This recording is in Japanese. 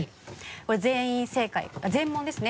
これ全員正解全問ですね。